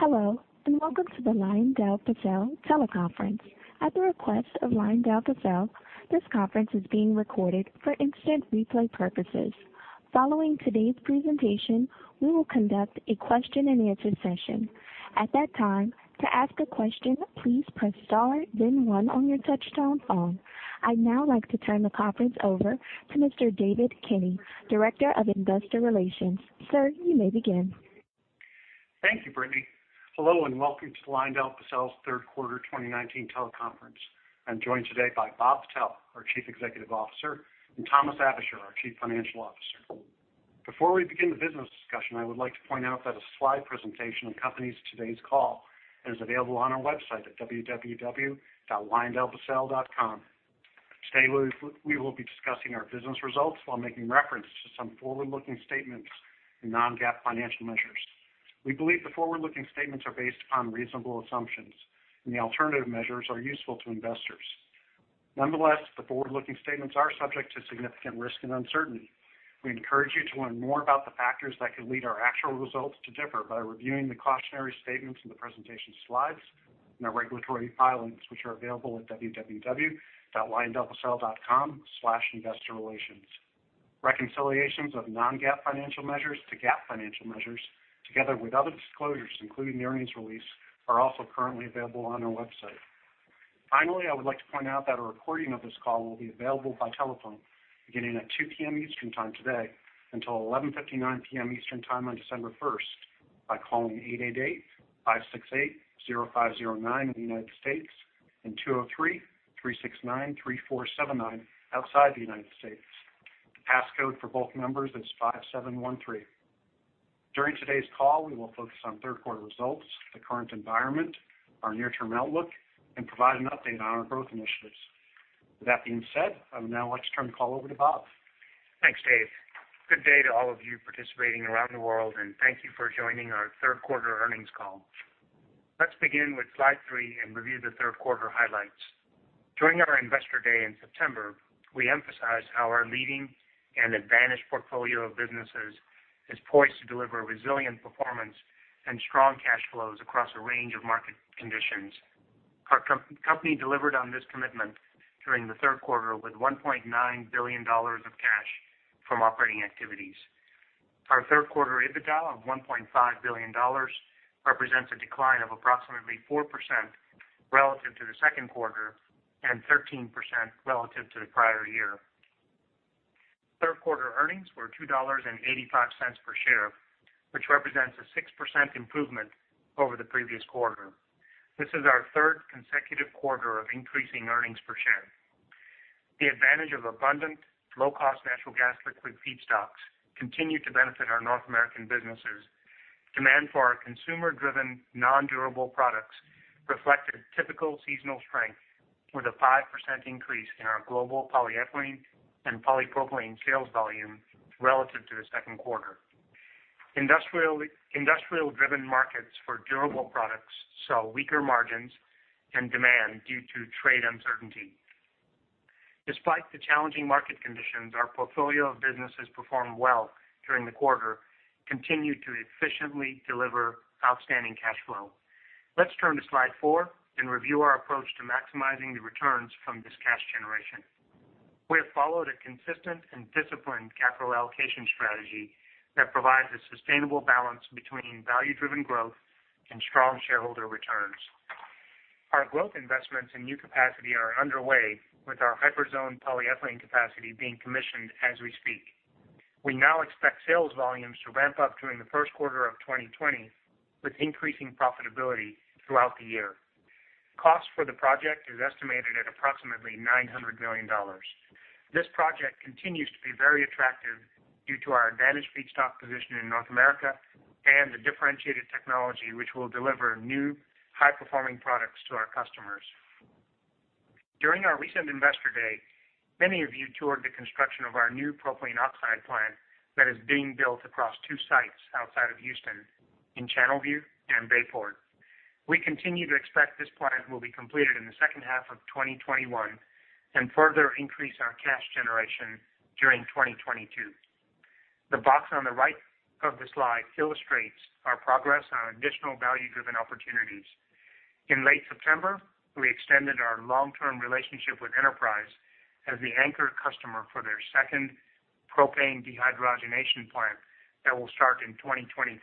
Hello, and welcome to the LyondellBasell teleconference. At the request of LyondellBasell, this conference is being recorded for instant replay purposes. Following today's presentation, we will conduct a question and answer session. At that time, to ask a question, please press star then one on your touch-tone phone. I'd now like to turn the conference over to Mr. David Kinney, Director of Investor Relations. Sir, you may begin. Thank you, Brittany. Hello, welcome to LyondellBasell's third quarter 2019 teleconference. I am joined today by Bob Patel, our Chief Executive Officer, and Thomas Aebischer, our Chief Financial Officer. Before we begin the business discussion, I would like to point out that a slide presentation accompanies today's call and is available on our website at www.lyondellbasell.com. Today, we will be discussing our business results while making reference to some forward-looking statements and non-GAAP financial measures. We believe the forward-looking statements are based on reasonable assumptions and the alternative measures are useful to investors. Nonetheless, the forward-looking statements are subject to significant risk and uncertainty. We encourage you to learn more about the factors that could lead our actual results to differ by reviewing the cautionary statements in the presentation slides and our regulatory filings, which are available at www.lyondellbasell.com/investorrelations. Reconciliations of non-GAAP financial measures to GAAP financial measures, together with other disclosures, including the earnings release, are also currently available on our website. Finally, I would like to point out that a recording of this call will be available by telephone beginning at 2:00 P.M. Eastern Time today until 11:59 P.M. Eastern Time on December 1 by calling 888-568-0509 in the U.S. and 203-369-3479 outside the U.S. The passcode for both numbers is 5713. During today's call, we will focus on third quarter results, the current environment, our near-term outlook, and provide an update on our growth initiatives. With that being said, I would now like to turn the call over to Bob. Thanks, David. Good day to all of you participating around the world, and thank you for joining our third quarter earnings call. Let's begin with slide three and review the third quarter highlights. During our Investor Day in September, we emphasized how our leading and advantaged portfolio of businesses is poised to deliver resilient performance and strong cash flows across a range of market conditions. Our company delivered on this commitment during the third quarter with $1.9 billion of cash from operating activities. Our third quarter EBITDA of $1.5 billion represents a decline of approximately 4% relative to the second quarter and 13% relative to the prior year. Third quarter earnings were $2.85 per share, which represents a 6% improvement over the previous quarter. This is our third consecutive quarter of increasing earnings per share. The advantage of abundant, low-cost natural gas liquid feedstocks continued to benefit our North American businesses. Demand for our consumer-driven, non-durable products reflected typical seasonal strength with a 5% increase in our global polyethylene and polypropylene sales volume relative to the second quarter. Industrial-driven markets for durable products saw weaker margins and demand due to trade uncertainty. Despite the challenging market conditions, our portfolio of businesses performed well during the quarter, continued to efficiently deliver outstanding cash flow. Let's turn to slide four and review our approach to maximizing the returns from this cash generation. We have followed a consistent and disciplined capital allocation strategy that provides a sustainable balance between value-driven growth and strong shareholder returns. Our growth investments in new capacity are underway, with our Hyperzone polyethylene capacity being commissioned as we speak. We now expect sales volumes to ramp up during the first quarter of 2020 with increasing profitability throughout the year. Cost for the project is estimated at approximately $900 million. This project continues to be very attractive due to our advantaged feedstock position in North America and the differentiated technology which will deliver new high-performing products to our customers. During our recent Investor Day, many of you toured the construction of our new propylene oxide plant that is being built across two sites outside of Houston in Channelview and Bayport. We continue to expect this plant will be completed in the second half of 2021 and further increase our cash generation during 2022. The box on the right of the slide illustrates our progress on additional value-driven opportunities. In late September, we extended our long-term relationship with Enterprise as the anchor customer for their second propane dehydrogenation plant that will start in 2023.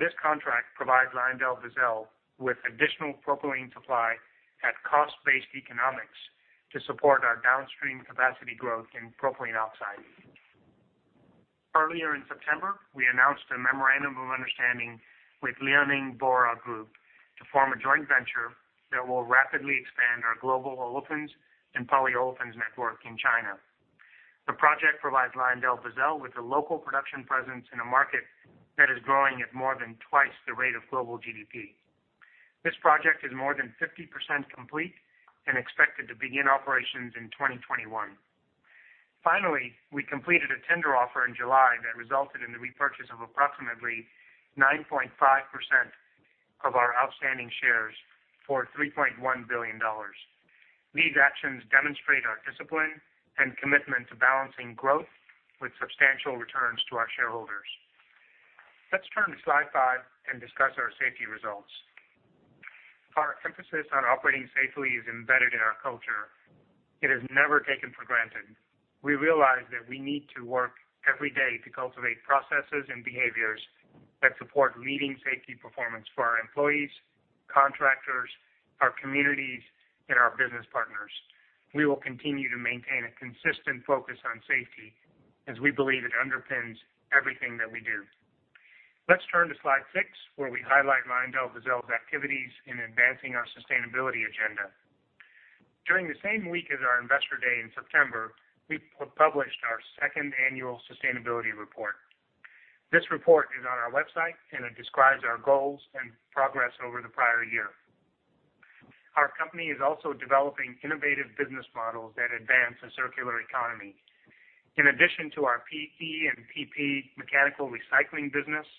This contract provides LyondellBasell with additional propylene supply at cost-based economics to support our downstream capacity growth in propylene oxide. Earlier in September, we announced a memorandum of understanding with Liaoning Bora Group to form a joint venture that will rapidly expand our global olefins and polyolefins network in China. The project provides LyondellBasell with a local production presence in a market that is growing at more than twice the rate of global GDP. This project is more than 50% complete and expected to begin operations in 2021. Finally, we completed a tender offer in July that resulted in the repurchase of approximately 9.5% of our outstanding shares for $3.1 billion. These actions demonstrate our discipline and commitment to balancing growth with substantial returns to our shareholders. Let's turn to slide five and discuss our safety results. Our emphasis on operating safely is embedded in our culture. It is never taken for granted. We realize that we need to work every day to cultivate processes and behaviors that support leading safety performance for our employees, contractors, our communities, and our business partners. We will continue to maintain a consistent focus on safety as we believe it underpins everything that we do. Let's turn to slide six, where we highlight LyondellBasell's activities in advancing our sustainability agenda. During the same week as our investor day in September, we published our second annual sustainability report. This report is on our website, and it describes our goals and progress over the prior year. Our company is also developing innovative business models that advance a circular economy. In addition to our PE and PP mechanical recycling business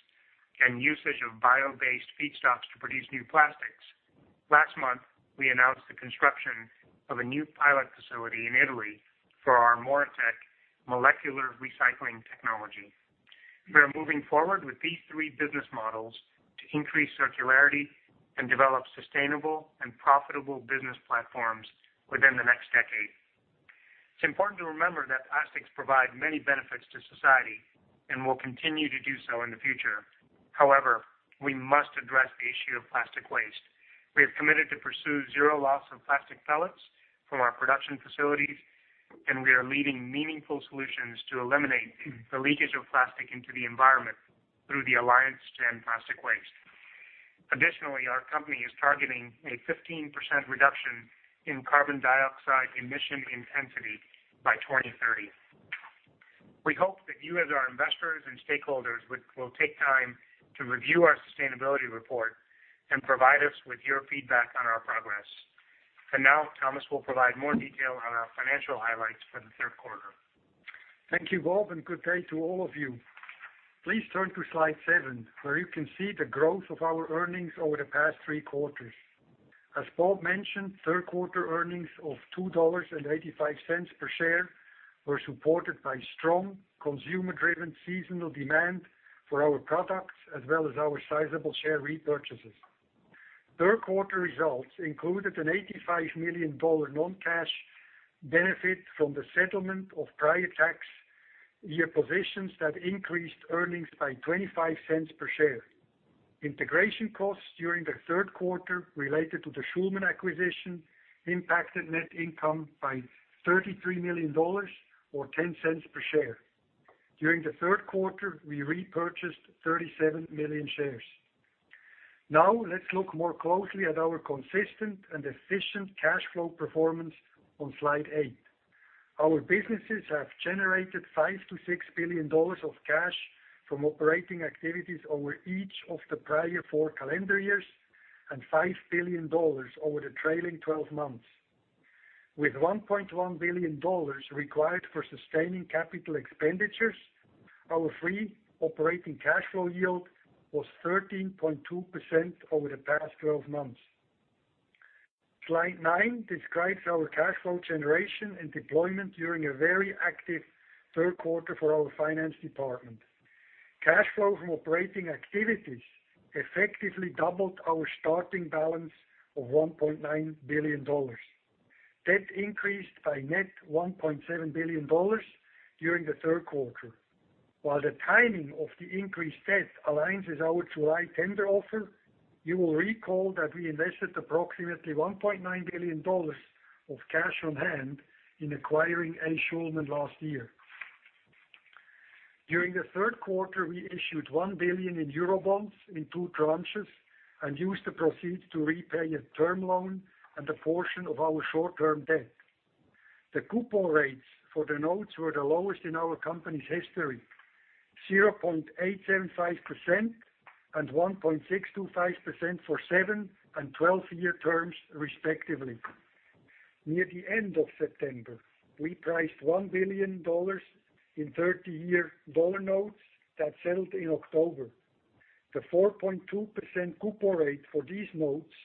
and usage of bio-based feedstocks to produce new plastics, last month, we announced the construction of a new pilot facility in Italy for our MoReTec molecular recycling technology. We are moving forward with these three business models to increase circularity and develop sustainable and profitable business platforms within the next decade. It's important to remember that plastics provide many benefits to society and will continue to do so in the future. We must address the issue of plastic waste. We have committed to pursue zero loss of plastic pellets from our production facilities, and we are leading meaningful solutions to eliminate the leakage of plastic into the environment through the Alliance to End Plastic Waste. Additionally, our company is targeting a 15% reduction in carbon dioxide emission intensity by 2030. We hope that you, as our investors and stakeholders, will take time to review our sustainability report and provide us with your feedback on our progress. Now, Thomas will provide more detail on our financial highlights for the third quarter. Thank you, Bob, and good day to all of you. Please turn to slide seven, where you can see the growth of our earnings over the past three quarters. As Bob mentioned, third quarter earnings of $2.85 per share were supported by strong consumer-driven seasonal demand for our products as well as our sizable share repurchases. Third quarter results included an $85 million non-cash benefit from the settlement of prior tax year positions that increased earnings by $0.25 per share. Integration costs during the third quarter related to the Schulman acquisition impacted net income by $33 million or $0.10 per share. During the third quarter, we repurchased 37 million shares. Now, let's look more closely at our consistent and efficient cash flow performance on slide eight. Our businesses have generated $5 billion-$6 billion of cash from operating activities over each of the prior four calendar years and $5 billion over the trailing 12 months. With $1.1 billion required for sustaining capital expenditures, our free operating cash flow yield was 13.2% over the past 12 months. Slide nine describes our cash flow generation and deployment during a very active third quarter for our finance department. Cash flow from operating activities effectively doubled our starting balance of $1.9 billion. Debt increased by net $1.7 billion during the third quarter. While the timing of the increased debt aligns with our July tender offer, you will recall that we invested approximately $1.9 billion of cash on hand in acquiring A. Schulman last year. During the third quarter, we issued $1 billion in eurobonds in two tranches and used the proceeds to repay a term loan and a portion of our short-term debt. The coupon rates for the notes were the lowest in our company's history, 0.875% and 1.625% for seven and 12-year terms, respectively. Near the end of September, we priced $1 billion in 30-year dollar notes that settled in October. The 4.2% coupon rate for these notes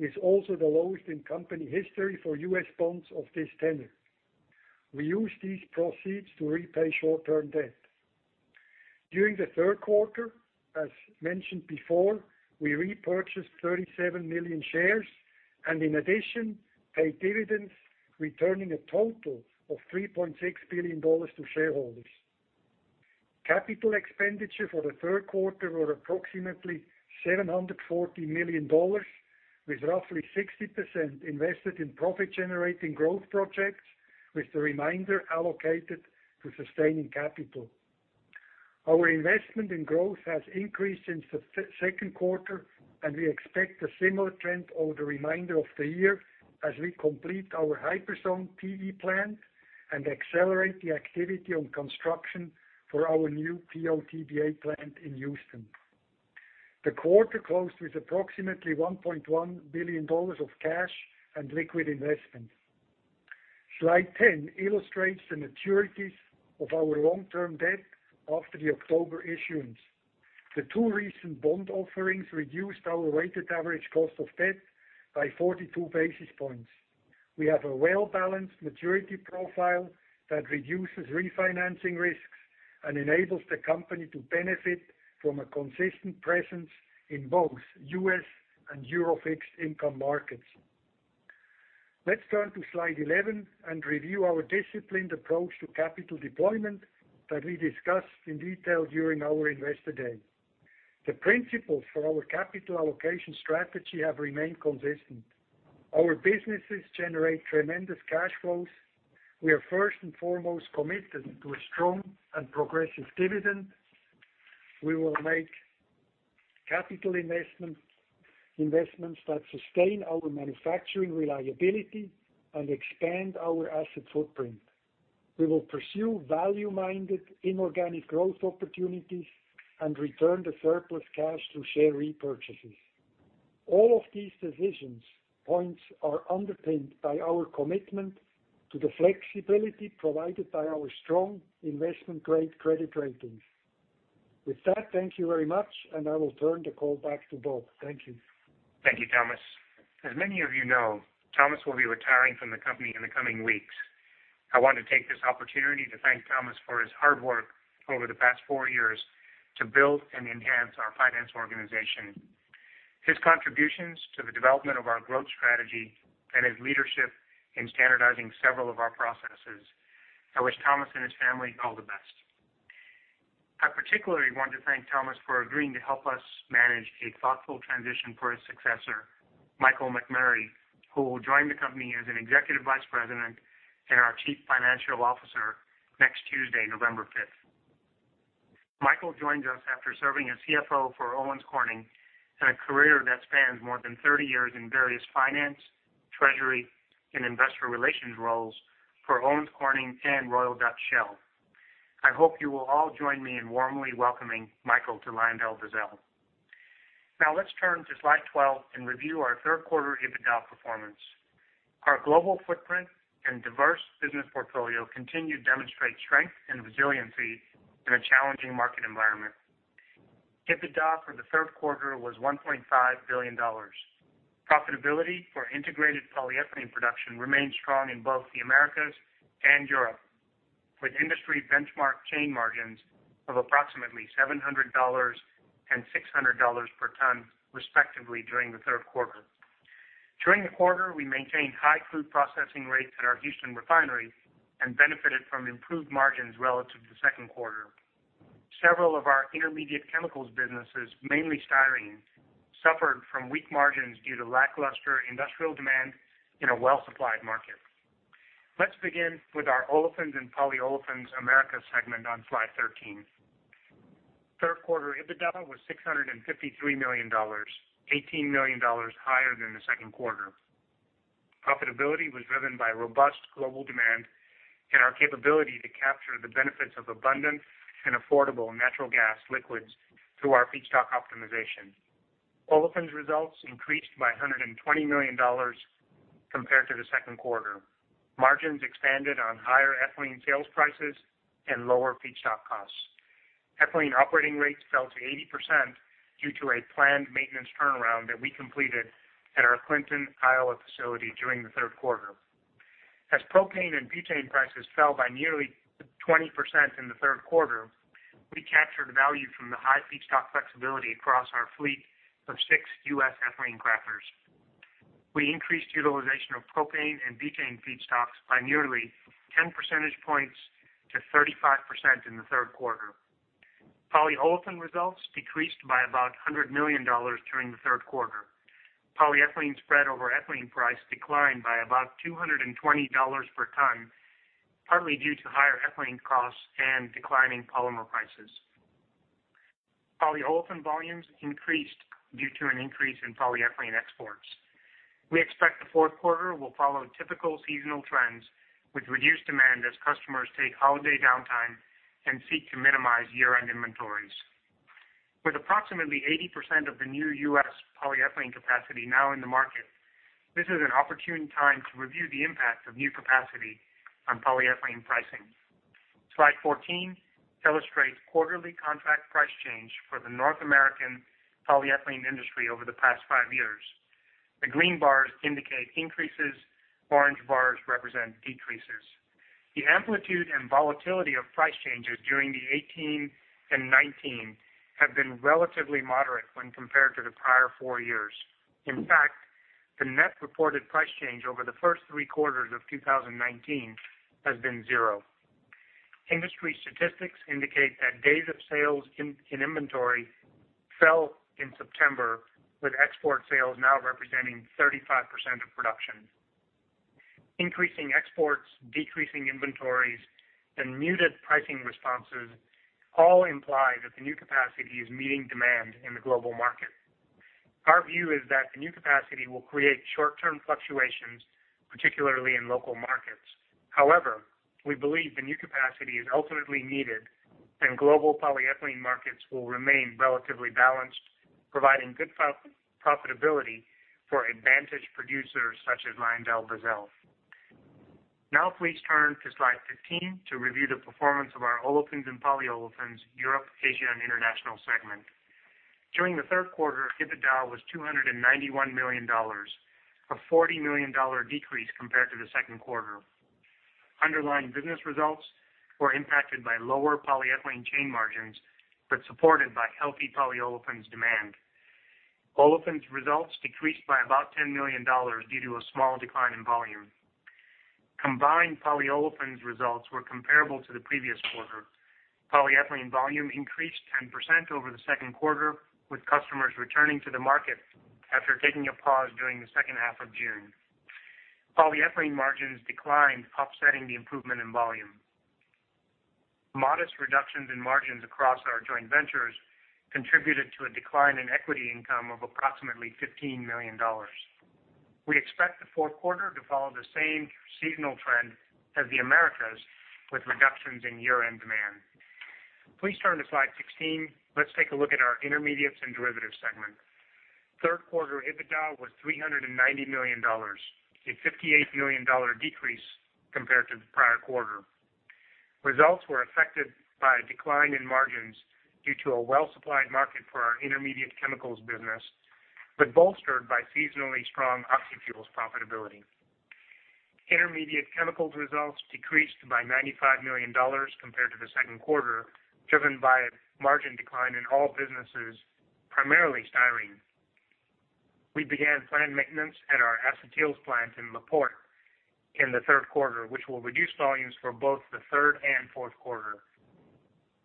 is also the lowest in company history for U.S. bonds of this tenor. We used these proceeds to repay short-term debt. During the third quarter, as mentioned before, we repurchased 37 million shares and in addition, paid dividends, returning a total of $3.6 billion to shareholders. Capital expenditure for the third quarter were approximately $740 million, with roughly 60% invested in profit-generating growth projects, with the remainder allocated to sustaining capital. Our investment in growth has increased since the second quarter. We expect a similar trend over the remainder of the year as we complete our Hyperzone PE plant and accelerate the activity on construction for our new PO/TBA plant in Houston. The quarter closed with approximately $1.1 billion of cash and liquid investments. Slide 10 illustrates the maturities of our long-term debt after the October issuance. The two recent bond offerings reduced our weighted average cost of debt by 42 basis points. We have a well-balanced maturity profile that reduces refinancing risks and enables the company to benefit from a consistent presence in both U.S. and EUR fixed income markets. Let's turn to slide 11 and review our disciplined approach to capital deployment that we discussed in detail during our Investor Day. The principles for our capital allocation strategy have remained consistent. Our businesses generate tremendous cash flows. We are first and foremost committed to a strong and progressive dividend. We will make capital investments that sustain our manufacturing reliability and expand our asset footprint. We will pursue value-minded inorganic growth opportunities and return the surplus cash to share repurchases. All of these decision points are underpinned by our commitment to the flexibility provided by our strong investment-grade credit ratings. With that, thank you very much, and I will turn the call back to Bob. Thank you. Thank you, Thomas. As many of you know, Thomas will be retiring from the company in the coming weeks. I want to take this opportunity to thank Thomas for his hard work over the past four years to build and enhance our finance organization, his contributions to the development of our growth strategy, and his leadership in standardizing several of our processes. I wish Thomas and his family all the best. I particularly want to thank Thomas for agreeing to help us manage a thoughtful transition for his successor, Michael McMurray, who will join the company as an Executive Vice President and our Chief Financial Officer next Tuesday, November 5. Michael joins us after serving as CFO for Owens Corning in a career that spans more than 30 years in various finance, treasury, and investor relations roles for Owens Corning and Royal Dutch Shell. I hope you will all join me in warmly welcoming Michael to LyondellBasell. Let's turn to slide 12 and review our third quarter EBITDA performance. Our global footprint and diverse business portfolio continue to demonstrate strength and resiliency in a challenging market environment. EBITDA for the third quarter was $1.5 billion. Profitability for integrated polyethylene production remained strong in both the Americas and Europe, with industry benchmark chain margins of approximately $700 and $600 per ton, respectively, during the third quarter. During the quarter, we maintained high crude processing rates at our Houston refinery and benefited from improved margins relative to the second quarter. Several of our intermediate chemicals businesses, mainly styrene, suffered from weak margins due to lackluster industrial demand in a well-supplied market. Let's begin with our Olefins and Polyolefins-Americas segment on slide 13. Third quarter EBITDA was $653 million, $18 million higher than the second quarter. Profitability was driven by robust global demand and our capability to capture the benefits of abundant and affordable natural gas liquids through our feedstock optimization. Olefins results increased by $120 million compared to the second quarter. Margins expanded on higher ethylene sales prices and lower feedstock costs. Ethylene operating rates fell to 80% due to a planned maintenance turnaround that we completed at our Clinton, Iowa facility during the third quarter. As propane and butane prices fell by nearly 20% in the third quarter, we captured value from the high feedstock flexibility across our fleet of six U.S. ethylene crackers. We increased utilization of propane and butane feedstocks by nearly 10 percentage points to 35% in the third quarter. Polyolefin results decreased by about $100 million during the third quarter. Polyethylene spread over ethylene price declined by about $220 per ton, partly due to higher ethylene costs and declining polymer prices. Polyolefin volumes increased due to an increase in polyethylene exports. We expect the fourth quarter will follow typical seasonal trends, with reduced demand as customers take holiday downtime and seek to minimize year-end inventories. With approximately 80% of the new U.S. polyethylene capacity now in the market, this is an opportune time to review the impact of new capacity on polyethylene pricing. Slide 14 illustrates quarterly contract price change for the North American polyethylene industry over the past five years. The green bars indicate increases. Orange bars represent decreases. The amplitude and volatility of price changes during 2018 and 2019 have been relatively moderate when compared to the prior four years. In fact, the net reported price change over the first three quarters of 2019 has been zero. Industry statistics indicate that days of sales in inventory fell in September, with export sales now representing 35% of production. Increasing exports, decreasing inventories, and muted pricing responses all imply that the new capacity is meeting demand in the global market. Our view is that the new capacity will create short-term fluctuations, particularly in local markets. However, we believe the new capacity is ultimately needed. Global polyethylene markets will remain relatively balanced, providing good profitability for advantaged producers such as LyondellBasell. Now please turn to slide 15 to review the performance of our Olefins and Polyolefins-Europe, Asia, International segment. During the third quarter, EBITDA was $291 million, a $40 million decrease compared to the second quarter. Underlying business results were impacted by lower polyethylene chain margins, but supported by healthy polyolefins demand. Olefins results decreased by about $10 million due to a small decline in volume. Combined polyolefins results were comparable to the previous quarter. Polyethylene volume increased 10% over the second quarter, with customers returning to the market after taking a pause during the second half of June. Polyethylene margins declined, offsetting the improvement in volume. Modest reductions in margins across our joint ventures contributed to a decline in equity income of approximately $15 million. We expect the fourth quarter to follow the same seasonal trend as the Americas, with reductions in year-end demand. Please turn to slide 16. Let's take a look at our Intermediates and Derivatives segment. Third quarter EBITDA was $390 million, a $58 million decrease compared to the prior quarter. Results were affected by a decline in margins due to a well-supplied market for our intermediate chemicals business, but bolstered by seasonally strong oxyfuels profitability. Intermediate chemicals results decreased by $95 million compared to the second quarter, driven by a margin decline in all businesses, primarily styrene. We began planned maintenance at our acetyls plant in La Porte in the third quarter, which will reduce volumes for both the third and fourth quarter.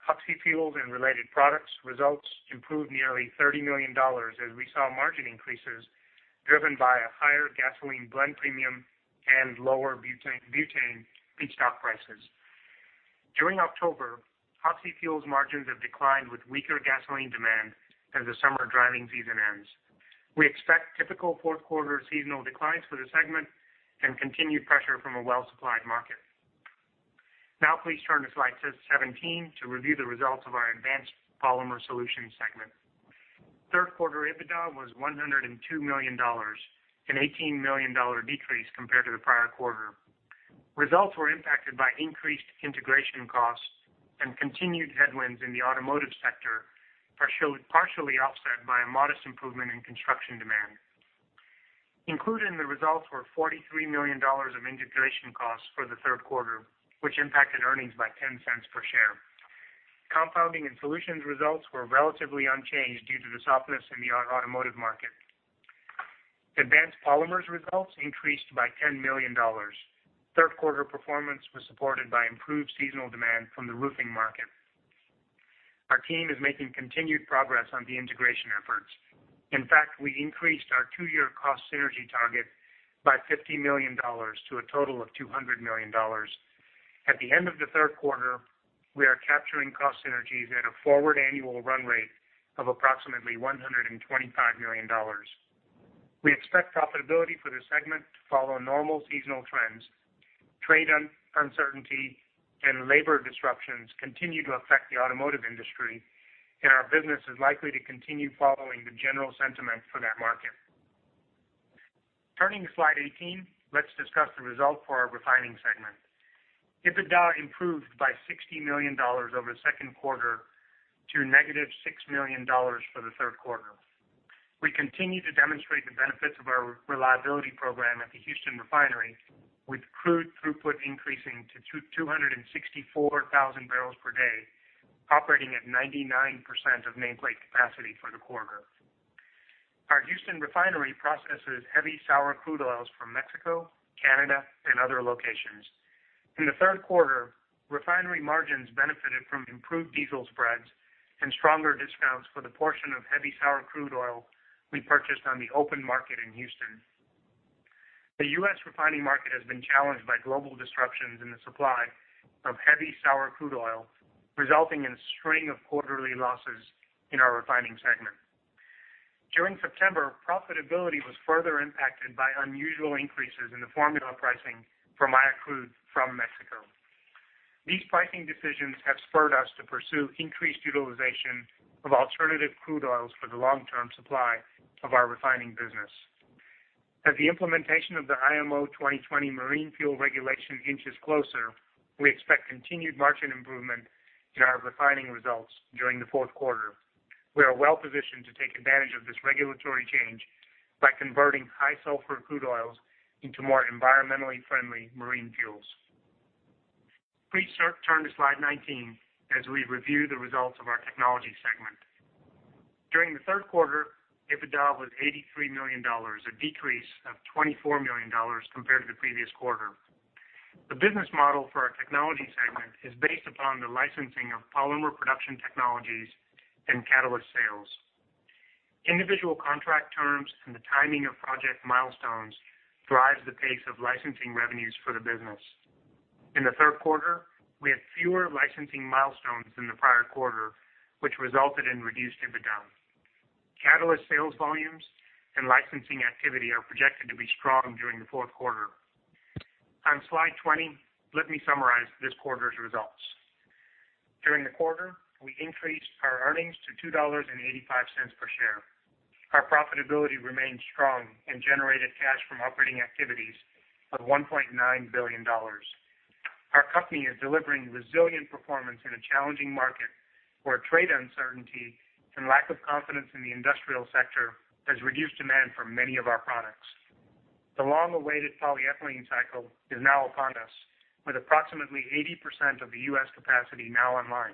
oxyfuels and related products results improved nearly $30 million as we saw margin increases driven by a higher gasoline blend premium and lower butane feedstock prices. During October, oxyfuels margins have declined with weaker gasoline demand as the summer driving season ends. We expect typical fourth quarter seasonal declines for the segment and continued pressure from a well-supplied market. Please turn to slide 17 to review the results of our Advanced Polymer Solutions segment. Third quarter EBITDA was $102 million, an $18 million decrease compared to the prior quarter. Results were impacted by increased integration costs and continued headwinds in the automotive sector, partially offset by a modest improvement in construction demand. Included in the results were $43 million of integration costs for the third quarter, which impacted earnings by $0.10 per share. Compounding and solutions results were relatively unchanged due to the softness in the automotive market. Advanced Polymers results increased by $10 million. Third quarter performance was supported by improved seasonal demand from the roofing market. Our team is making continued progress on the integration efforts. In fact, we increased our two-year cost synergy target by $50 million to a total of $200 million. At the end of the third quarter, we are capturing cost synergies at a forward annual run rate of approximately $125 million. We expect profitability for this segment to follow normal seasonal trends. Trade uncertainty and labor disruptions continue to affect the automotive industry, and our business is likely to continue following the general sentiment for that market. Turning to slide 18, let's discuss the result for our Refining Segment. EBITDA improved by $60 million over the second quarter to negative $6 million for the third quarter. We continue to demonstrate the benefits of our reliability program at the Houston refinery, with crude throughput increasing to 264,000 barrels per day, operating at 99% of nameplate capacity for the quarter. Our Houston refinery processes heavy sour crude oils from Mexico, Canada, and other locations. In the third quarter, refinery margins benefited from improved diesel spreads and stronger discounts for the portion of heavy sour crude oil we purchased on the open market in Houston. The U.S. refining market has been challenged by global disruptions in the supply of heavy sour crude oil, resulting in a string of quarterly losses in our refining segment. During September, profitability was further impacted by unusual increases in the formula pricing for Maya crude from Mexico. These pricing decisions have spurred us to pursue increased utilization of alternative crude oils for the long-term supply of our refining business. As the implementation of the IMO 2020 marine fuel regulation inches closer, we expect continued margin improvement in our refining results during the fourth quarter. We are well-positioned to take advantage of this regulatory change by converting high sulfur crude oils into more environmentally friendly marine fuels. Please turn to slide 19 as we review the results of our Technologies segment. During the third quarter, EBITDA was $83 million, a decrease of $24 million compared to the previous quarter. The business model for our Technologies segment is based upon the licensing of polymer production technologies and catalyst sales. Individual contract terms and the timing of project milestones drives the pace of licensing revenues for the business. In the third quarter, we had fewer licensing milestones than the prior quarter, which resulted in reduced EBITDA. Catalyst sales volumes and licensing activity are projected to be strong during the fourth quarter. On slide 20, let me summarize this quarter's results. During the quarter, we increased our earnings to $2.85 per share. Our profitability remained strong and generated cash from operating activities of $1.9 billion. Our company is delivering resilient performance in a challenging market where trade uncertainty and lack of confidence in the industrial sector has reduced demand for many of our products. The long-awaited polyethylene cycle is now upon us, with approximately 80% of the U.S. capacity now online.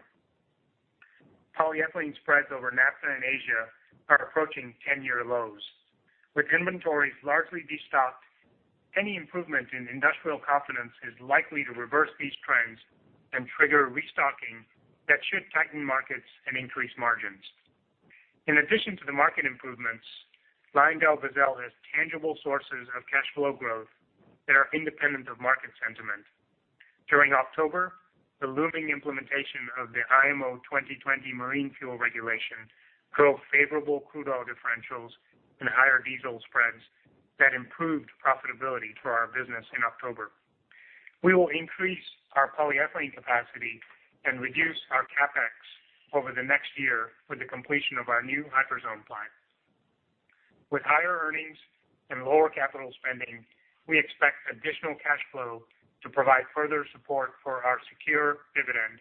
Polyethylene spreads over naphtha in Asia are approaching 10-year lows. With inventories largely de-stocked, any improvement in industrial confidence is likely to reverse these trends and trigger restocking that should tighten markets and increase margins. In addition to the market improvements, LyondellBasell has tangible sources of cash flow growth that are independent of market sentiment. During October, the looming implementation of the IMO 2020 marine fuel regulation drove favorable crude oil differentials and higher diesel spreads that improved profitability for our business in October. We will increase our polyethylene capacity and reduce our CapEx over the next year with the completion of our new Hyperzone plant. With higher earnings and lower capital spending, we expect additional cash flow to provide further support for our secure dividend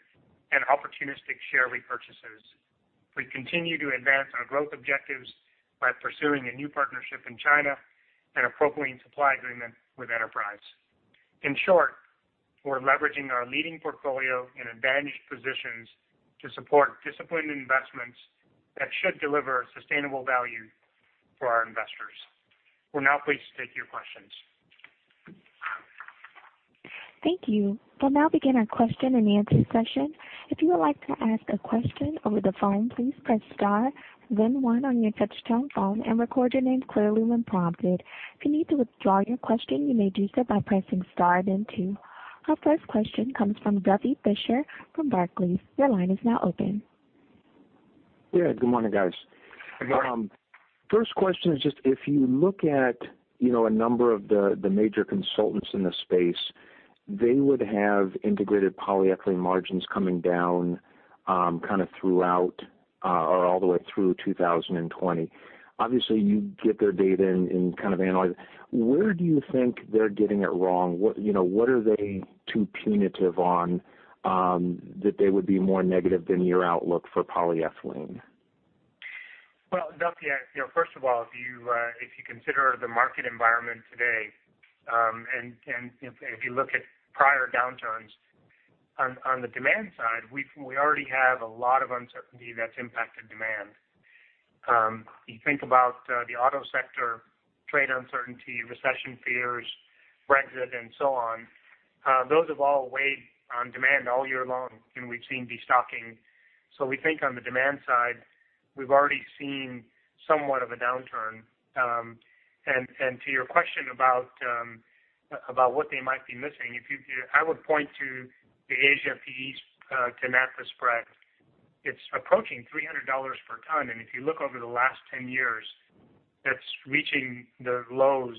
and opportunistic share repurchases. We continue to advance our growth objectives by pursuing a new partnership in China and a propylene supply agreement with Enterprise. In short, we're leveraging our leading portfolio and advantaged positions to support disciplined investments that should deliver sustainable value for our investors. We're now pleased to take your questions. Thank you. We'll now begin our question and answer session. If you would like to ask a question over the phone, please press star then one on your touchtone phone and record your name clearly when prompted. If you need to withdraw your question, you may do so by pressing star then two. Our first question comes from Duffy Fischer from Barclays. Your line is now open. Yeah. Good morning, guys. Good morning. First question is just if you look at a number of the major consultants in the space, they would have integrated polyethylene margins coming down kind of throughout or all the way through 2020. Obviously, you get their data and kind of analyze it. Where do you think they're getting it wrong? What are they too punitive on that they would be more negative than your outlook for polyethylene? Well, Duffy, first of all, if you consider the market environment today, if you look at prior downturns, on the demand side, we already have a lot of uncertainty that's impacted demand. You think about the auto sector, trade uncertainty, recession fears, Brexit, and so on. Those have all weighed on demand all year long, we've seen de-stocking. We think on the demand side, we've already seen somewhat of a downturn. To your question about what they might be missing, I would point to the Asia PE to Naphtha spread. It's approaching $300 per ton, if you look over the last 10 years, that's reaching the lows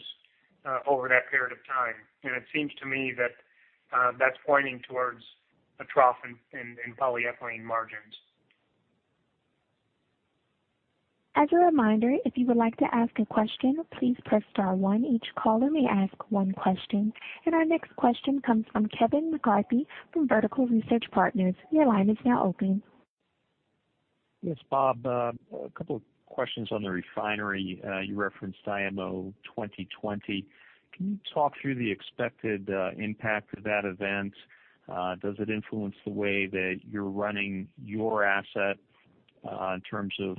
over that period of time. It seems to me that that's pointing towards a trough in polyethylene margins. As a reminder, if you would like to ask a question, please press star one. Each caller may ask one question. Our next question comes from Kevin McCarthy from Vertical Research Partners. Your line is now open. Yes, Bob. A couple of questions on the refinery. You referenced IMO 2020. Can you talk through the expected impact of that event? Does it influence the way that you're running your asset in terms of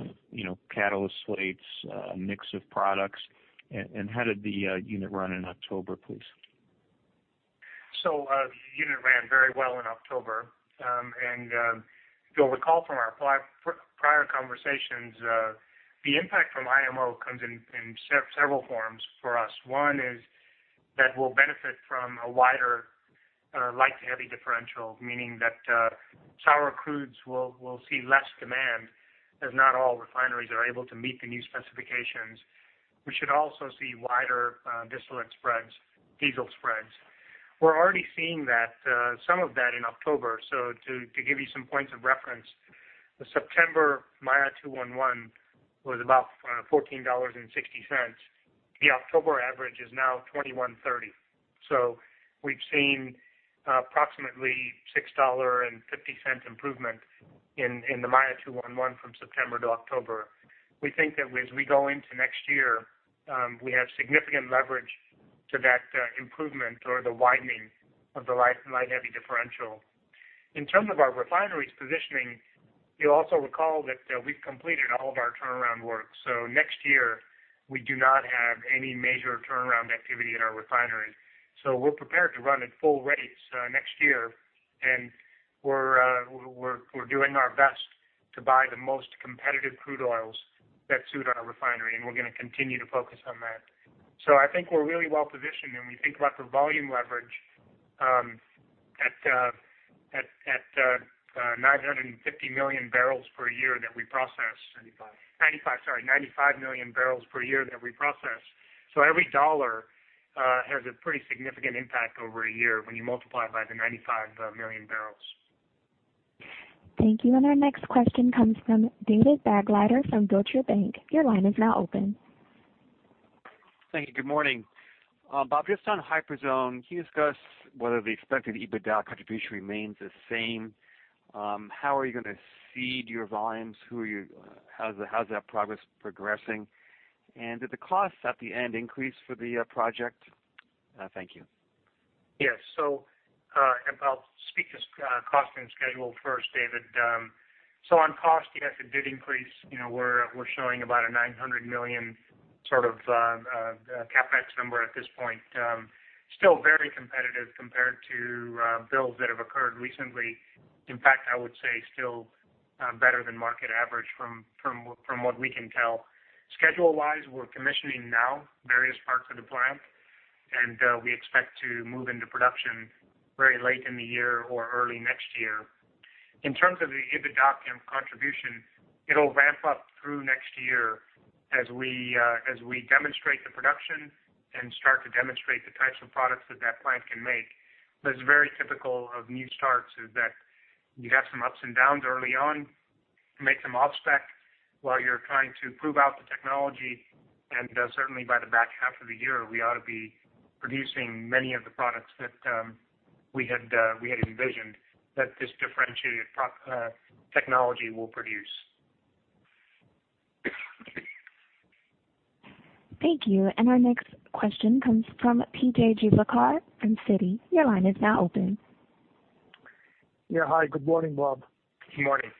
catalyst slates, mix of products, and how did the unit run in October, please? The unit ran very well in October. You'll recall from our prior conversations, the impact from IMO comes in several forms for us. One is that we'll benefit from a wider light to heavy differential, meaning that sour crudes will see less demand, as not all refineries are able to meet the new specifications. We should also see wider distillate spreads, diesel spreads. We're already seeing some of that in October. To give you some points of reference, the September Maya 2-1-1 was about $14.60. The October average is now $21.30. We've seen approximately $6.50 improvement in the Maya 2-1-1 from September to October. We think that as we go into next year, we have significant leverage to that improvement or the widening of the light and heavy differential. In terms of our refinery's positioning, you'll also recall that we've completed all of our turnaround work. Next year, we do not have any major turnaround activity in our refinery. We're prepared to run at full rates next year, and we're doing our best to buy the most competitive crude oils that suit our refinery, and we're going to continue to focus on that. I think we're really well positioned, and we think about the volume leverage at the 950 million barrels per year that we process. 95. 95 million barrels per year that we process. Every dollar has a pretty significant impact over a year when you multiply it by the 95 million barrels. Thank you. Our next question comes from David Begleiter from Deutsche Bank. Your line is now open. Thank you. Good morning. Bob, just on Hyperzone, can you discuss whether the expected EBITDA contribution remains the same? How are you going to seed your volumes? How's that progress progressing? Did the costs at the end increase for the project? Thank you. Yes. I'll speak to cost and schedule first, David. On cost, yes, it did increase. We're showing about a $900 million sort of CapEx number at this point. Still very competitive compared to builds that have occurred recently. In fact, I would say still better than market average from what we can tell. Schedule-wise, we're commissioning now various parts of the plant, we expect to move into production very late in the year or early next year. In terms of the EBITDA contribution, it'll ramp up through next year as we demonstrate the production and start to demonstrate the types of products that plant can make. It's very typical of new starts, is that you have some ups and downs early on, make some off-spec while you're trying to prove out the technology. Certainly by the back half of the year, we ought to be producing many of the products that we had envisioned that this differentiated technology will produce. Thank you. Our next question comes from P.J. Juvekar from Citi. Your line is now open. Yeah. Hi. Good morning, Bob. Good morning.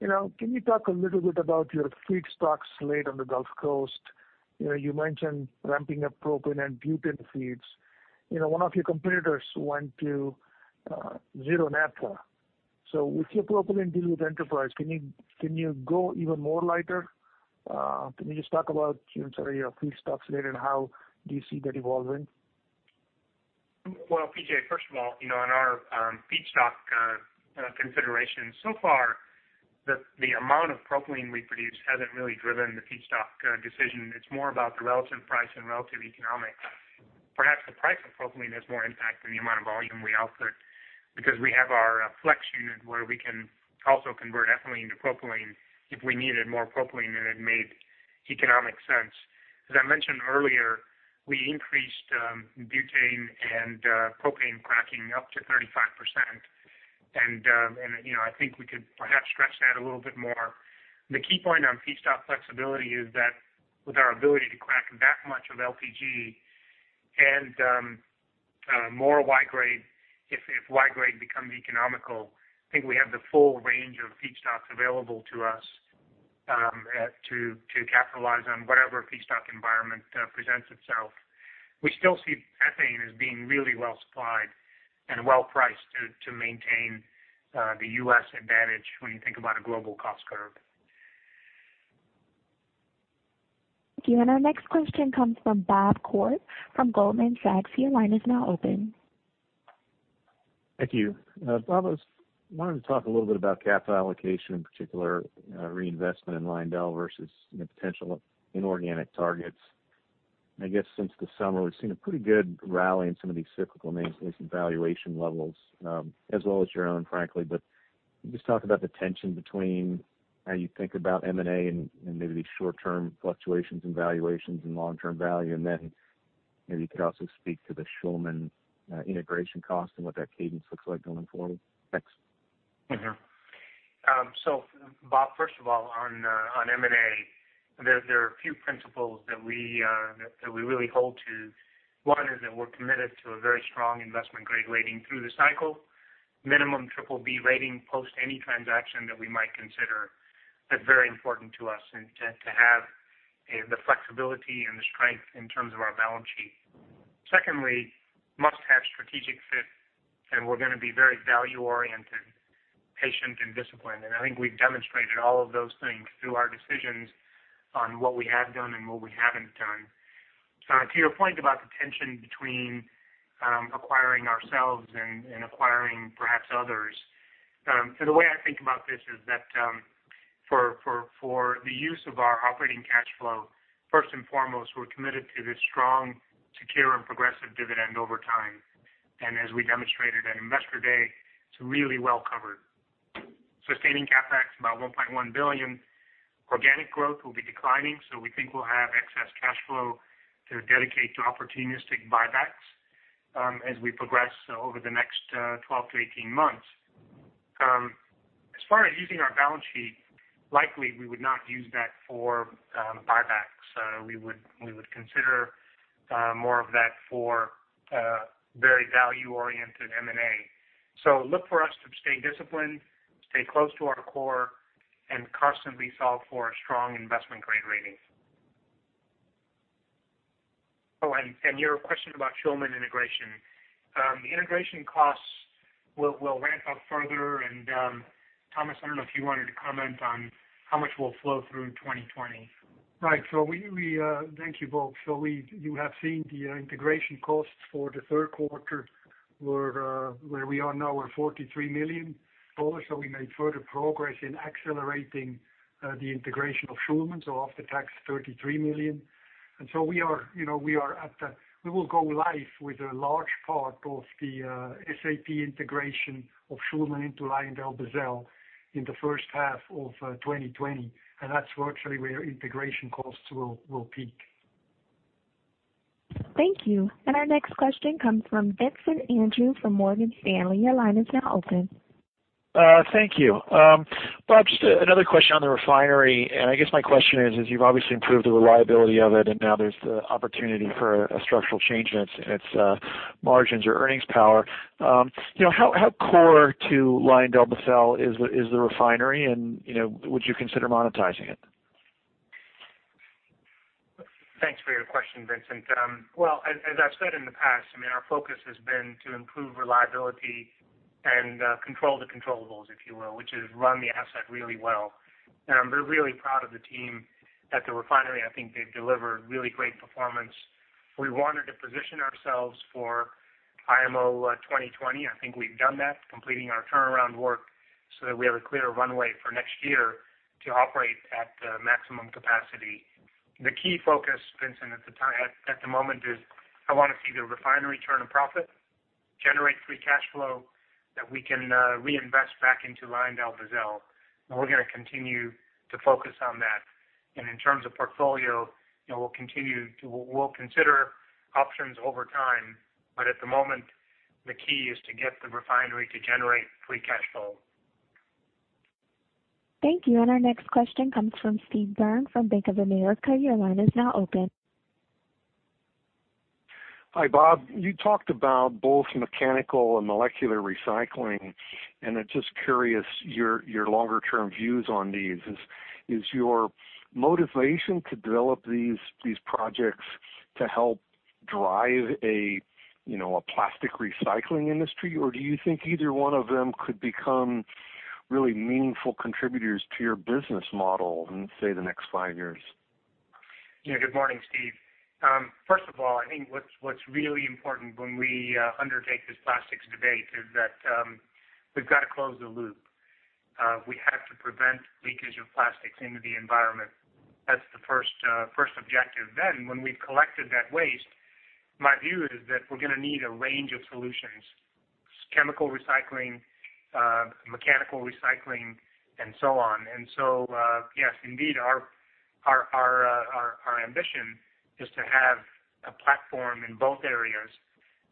Can you talk a little bit about your feedstock slate on the Gulf Coast? You mentioned ramping up propylene and butane feeds. One of your competitors went to zero naphtha. With your propylene deal with Enterprise, can you go even more lighter? Can you just talk about your sort of feedstock slate and how do you see that evolving? Well, P.J., first of all, in our feedstock consideration so far, the amount of propylene we produce hasn't really driven the feedstock decision. It's more about the relative price and relative economics. Perhaps the price of propylene has more impact than the amount of volume we output because we have our flex unit where we can also convert ethylene to propylene if we needed more propylene and it made economic sense. As I mentioned earlier, we increased butane and propane cracking up to 35%, and I think we could perhaps stretch that a little bit more. The key point on feedstock flexibility is that with our ability to crack that much of LPG and more Y-grade, if Y-grade becomes economical, I think we have the full range of feedstocks available to us to capitalize on whatever feedstock environment presents itself. We still see ethane as being really well supplied and well priced to maintain the U.S. advantage when you think about a global cost curve. Thank you. Our next question comes from Bob Koort from Goldman Sachs. Your line is now open. Thank you. Bob, I wanted to talk a little bit about capital allocation, in particular reinvestment in Lyondell versus potential inorganic targets. I guess since the summer, we've seen a pretty good rally in some of these cyclical names, at least in valuation levels, as well as your own, frankly. Can you just talk about the tension between how you think about M&A and maybe these short-term fluctuations in valuations and long-term value? Maybe you could also speak to the Schulman integration cost and what that cadence looks like going forward. Thanks. Bob, first of all, on M&A, there are a few principles that we really hold to. One is that we're committed to a very strong investment-grade rating through the cycle, minimum BBB rating post any transaction that we might consider. That's very important to us, and to have the flexibility and the strength in terms of our balance sheet. Secondly, must have strategic fit, and we're going to be very value-oriented, patient, and disciplined. I think we've demonstrated all of those things through our decisions on what we have done and what we haven't done. To your point about the tension between acquiring ourselves and acquiring perhaps others. The way I think about this is that for the use of our operating cash flow, first and foremost, we're committed to this strong, secure, and progressive dividend over time. As we demonstrated at Investor Day, it's really well covered. Sustaining CapEx, about $1.1 billion. Organic growth will be declining, so we think we'll have excess cash flow to dedicate to opportunistic buybacks as we progress over the next 12 to 18 months. As far as using our balance sheet, likely we would not use that for buybacks. We would consider more of that for very value-oriented M&A. Look for us to stay disciplined, stay close to our core, and constantly solve for a strong investment-grade rating. Your question about Schulman integration. The integration costs will ramp up further, and Thomas, I don't know if you wanted to comment on how much will flow through 2020. Right. Thank you, Bob. You have seen the integration costs for the third quarter where we are now at $43 million. We made further progress in accelerating the integration of Schulman, off the tax, $33 million. We will go live with a large part of the SAP integration of Schulman into LyondellBasell in the first half of 2020, and that's virtually where integration costs will peak. Thank you. Our next question comes from Vincent Andrews from Morgan Stanley. Your line is now open. Thank you. Bob, just another question on the refinery. I guess my question is, you've obviously improved the reliability of it, and now there's the opportunity for a structural change in its margins or earnings power. How core to LyondellBasell is the refinery and would you consider monetizing it? Thanks for your question, Vincent. Well, as I've said in the past, our focus has been to improve reliability and control the controllables, if you will, which is run the asset really well. I'm really proud of the team at the refinery. I think they've delivered really great performance. We wanted to position ourselves for IMO 2020. I think we've done that, completing our turnaround work so that we have a clear runway for next year to operate at maximum capacity. The key focus, Vincent, at the moment is I want to see the refinery turn a profit, generate free cash flow that we can reinvest back into LyondellBasell, and we're going to continue to focus on that. In terms of portfolio, we'll consider options over time. At the moment, the key is to get the refinery to generate free cash flow. Thank you. Our next question comes from Steve Byrne from Bank of America. Your line is now open. Hi, Bob. You talked about both mechanical and molecular recycling, and I'm just curious your longer-term views on these. Is your motivation to develop these projects to help drive a plastic recycling industry? Do you think either one of them could become really meaningful contributors to your business model in, say, the next five years? Yeah. Good morning, Steve. First of all, I think what's really important when we undertake this plastics debate is that we've got to close the loop. We have to prevent leakage of plastics into the environment. That's the first objective. When we've collected that waste, my view is that we're going to need a range of solutions, chemical recycling, mechanical recycling, and so on. Yes, indeed, our ambition is to have a platform in both areas,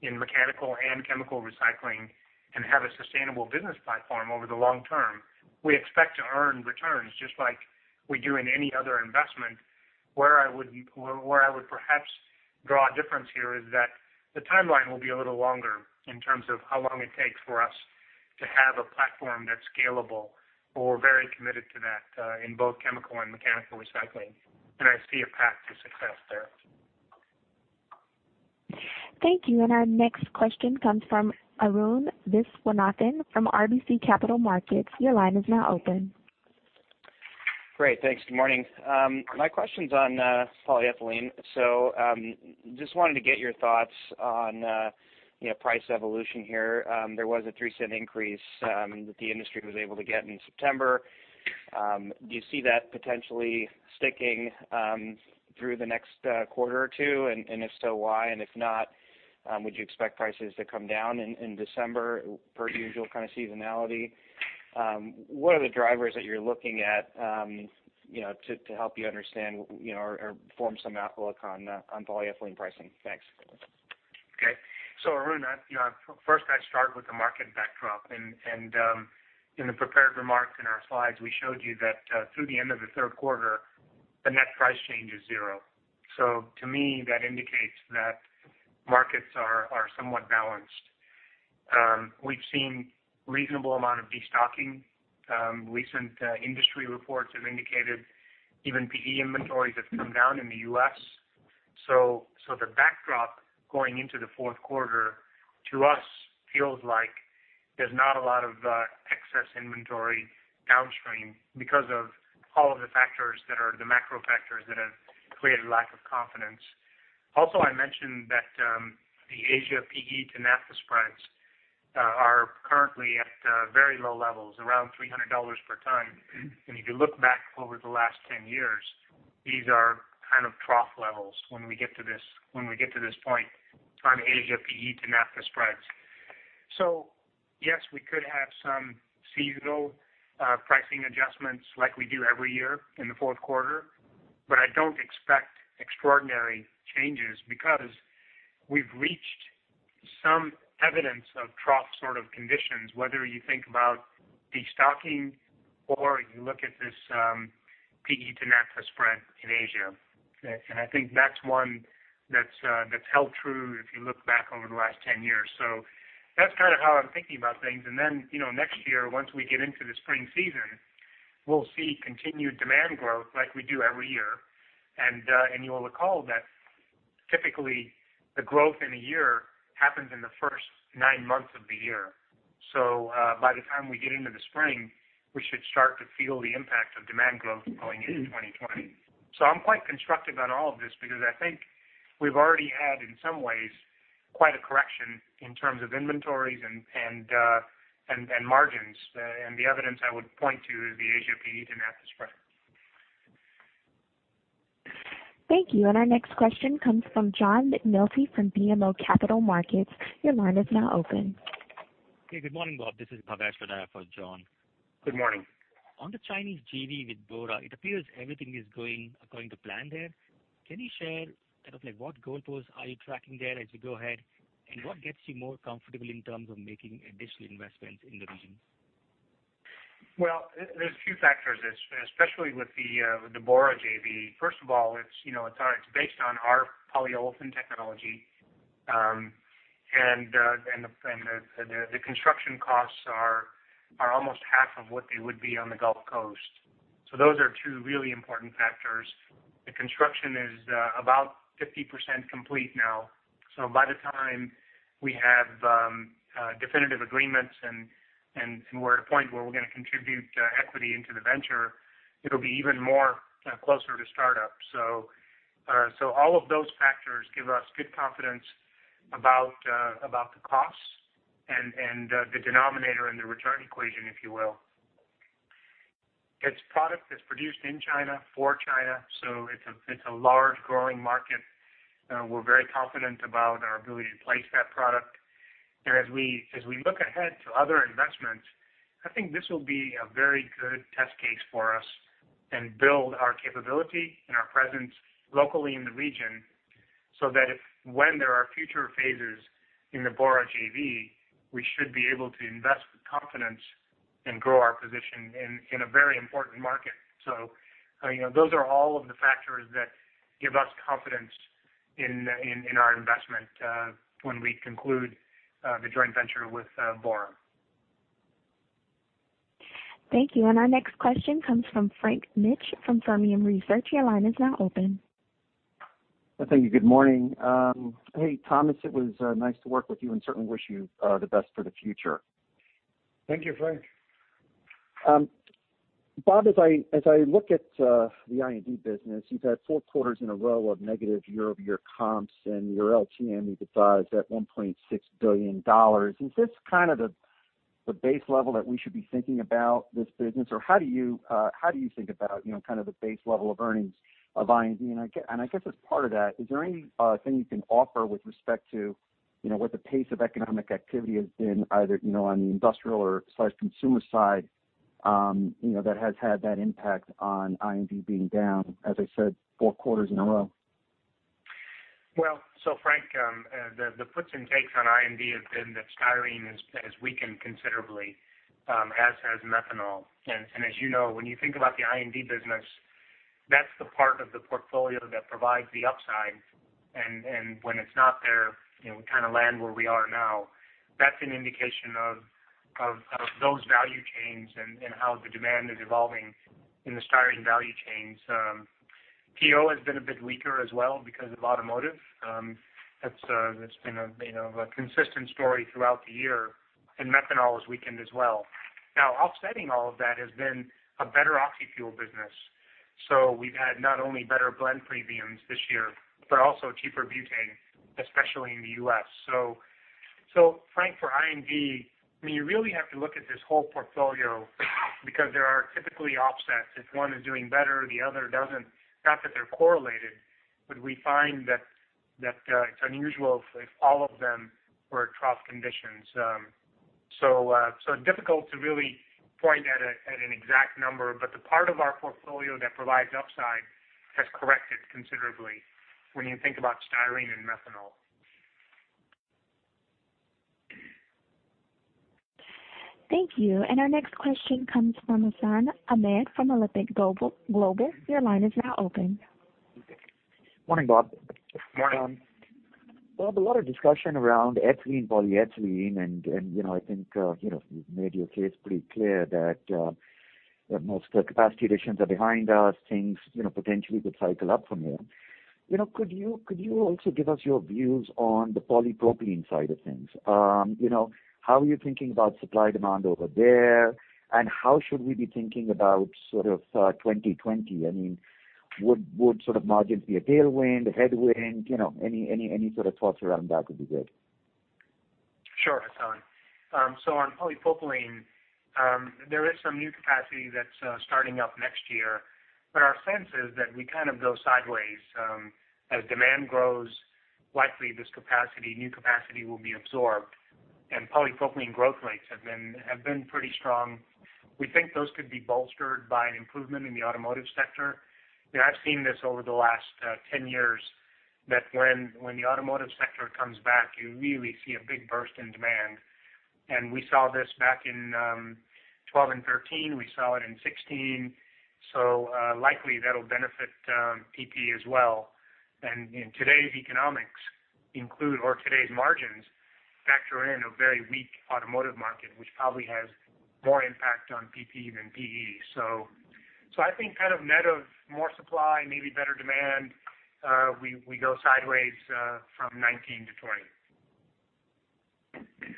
in mechanical and chemical recycling, and have a sustainable business platform over the long term. We expect to earn returns just like we do in any other investment. Where I would perhaps draw a difference here is that the timeline will be a little longer in terms of how long it takes for us to have a platform that's scalable. We're very committed to that, in both chemical and mechanical recycling. I see a path to success there. Thank you. Our next question comes from Arun Viswanathan from RBC Capital Markets. Your line is now open. Great. Thanks. Good morning. My question's on polyethylene. Just wanted to get your thoughts on price evolution here. There was a $0.03 increase that the industry was able to get in September. Do you see that potentially sticking through the next quarter or two, and if so, why? If not, would you expect prices to come down in December per usual kind of seasonality? What are the drivers that you're looking at to help you understand or form some outlook on polyethylene pricing? Thanks. Okay. Arun, first I'd start with the market backdrop. In the prepared remarks in our slides, we showed you that through the end of the third quarter, the net price change is zero. To me, that indicates that markets are somewhat balanced. We've seen reasonable amount of destocking. Recent industry reports have indicated even PE inventories have come down in the U.S. The backdrop going into the fourth quarter, to us, feels like there's not a lot of excess inventory downstream because of all of the macro factors that have created a lack of confidence. Also, I mentioned that the Asia PE to Naphtha spreads are currently at very low levels, around $300 per ton. If you look back over the last 10 years, these are kind of trough levels when we get to this point on Asia PE to Naphtha spreads. Yes, we could have some seasonal pricing adjustments like we do every year in the fourth quarter, but I don't expect extraordinary changes because we've reached some evidence of trough sort of conditions, whether you think about destocking or you look at this PE to Naphtha spread in Asia. I think that's one that's held true if you look back over the last 10 years. That's kind of how I'm thinking about things. Next year, once we get into the spring season, we'll see continued demand growth like we do every year. You'll recall that Typically, the growth in a year happens in the first nine months of the year. By the time we get into the spring, we should start to feel the impact of demand growth going into 2020. I'm quite constructive on all of this because I think we've already had, in some ways, quite a correction in terms of inventories and margins. The evidence I would point to is the Asia PE to Naphtha spread. Thank you. Our next question comes from John McNulty from BMO Capital Markets. Your line is now open. Okay. Good morning, Bob. This is Bhavesh Madha for John. Good morning. On the Chinese JV with Bora, it appears everything is going according to plan there. Can you share kind of like what goalposts are you tracking there as you go ahead? What gets you more comfortable in terms of making additional investments in the region? There's a few factors, especially with the Bora JV. First of all, it's based on our polyolefin technology. The construction costs are almost half of what they would be on the Gulf Coast. Those are two really important factors. The construction is about 50% complete now. By the time we have definitive agreements and we're at a point where we're going to contribute equity into the venture, it'll be even more closer to startup. All of those factors give us good confidence about the costs and the denominator in the return equation, if you will. It's product that's produced in China for China. It's a large growing market. We're very confident about our ability to place that product. As we look ahead to other investments, I think this will be a very good test case for us and build our capability and our presence locally in the region, so that if when there are future phases in the Bora JV, we should be able to invest with confidence and grow our position in a very important market. Those are all of the factors that give us confidence in our investment when we conclude the joint venture with Bora. Thank you. Our next question comes from Frank Mitsch from Fermium Research. Your line is now open. Thank you. Good morning. Hey, Thomas, it was nice to work with you and certainly wish you the best for the future. Thank you, Frank. Bob, as I look at the I&D business, you've had four quarters in a row of negative year-over-year comps, and your LTM, you could say, is at $1.6 billion. Is this kind of the base level that we should be thinking about this business? How do you think about the base level of earnings of I&D? I guess as part of that, is there anything you can offer with respect to what the pace of economic activity has been, either on the industrial or consumer side that has had that impact on I&D being down, as I said, four quarters in a row? Frank, the puts and takes on I&D have been that styrene has weakened considerably, as has methanol. As you know when you think about the I&D business, that's the part of the portfolio that provides the upside. When it's not there, we kind of land where we are now. That's an indication of those value chains and how the demand is evolving in the styrene value chains. PO has been a bit weaker as well because of automotive. That's been a consistent story throughout the year. Methanol has weakened as well. Offsetting all of that has been a better oxy fuels business. We've had not only better blend premiums this year, but also cheaper butane, especially in the U.S. Frank, for I&D, you really have to look at this whole portfolio because there are typically offsets. If one is doing better, the other doesn't. Not that they're correlated, but we find that it's unusual if all of them were at trough conditions. Difficult to really point at an exact number, but the part of our portfolio that provides upside has corrected considerably when you think about styrene and methanol. Thank you. Our next question comes from Hassan Ahmed from Alembic Global. Your line is now open. Morning, Bob. Morning. Bob, a lot of discussion around ethylene, polyethylene, and I think you've made your case pretty clear that most of the capacity additions are behind us. Things potentially could cycle up from here. Could you also give us your views on the polypropylene side of things? How are you thinking about supply demand over there? How should we be thinking about sort of 2020? Would sort of margins be a tailwind, a headwind? Any sort of thoughts around that would be good. Sure, Hassan. On polypropylene, there is some new capacity that's starting up next year, but our sense is that we kind of go sideways. As demand grows, likely this new capacity will be absorbed. Polypropylene growth rates have been pretty strong. We think those could be bolstered by an improvement in the automotive sector. I've seen this over the last 10 years that when the automotive sector comes back, you really see a big burst in demand. We saw this back in 2012 and 2013. We saw it in 2016. Likely that'll benefit PP as well. In today's economics, or today's margins, factor in a very weak automotive market, which probably has more impact on PP than PE. I think kind of net of more supply, maybe better demand, we go sideways from 2019 to 2020.